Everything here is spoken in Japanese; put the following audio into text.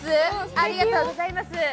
ありがとうございます。